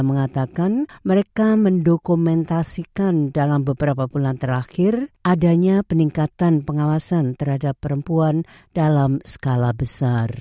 mengatakan mereka mendokumentasikan dalam beberapa bulan terakhir adanya peningkatan pengawasan terhadap perempuan dalam skala besar